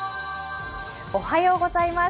おはようございます。